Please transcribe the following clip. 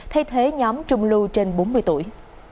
thay thế nhóm trung lưu trên bốn mươi tuổi